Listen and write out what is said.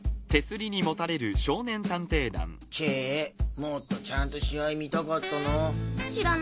もっとちゃんと試合観たかったな。